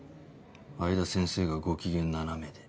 相田先生がご機嫌斜めで。